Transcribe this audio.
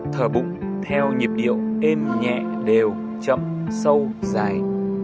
thờ bụng theo nhịp điệu êm nhẹ đều chậm sâu dài